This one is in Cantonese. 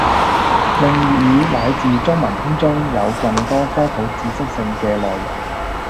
令粵語乃至中文圈中有更多科普知識性嘅內容